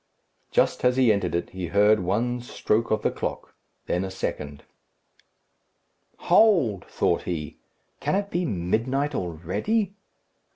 Just as he entered it he heard one stroke of the clock, then a second. "Hold," thought he; "can it be midnight already?"